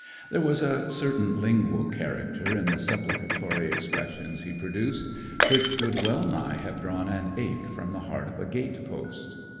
There was a certain lingual character in the supplicatory expressions he produced, which would well nigh have drawn an ache from the heart of a gate post.